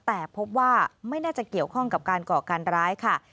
แต่พบว่าไม่น่าจะเกี่ยวข้องกับการก่อการร้ายค่ะ